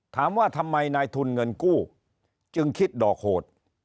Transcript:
ถามว่าทำไมนายทุนเงินกู้จึงคิดดอกโหด